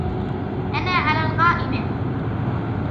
أنا على القائمة.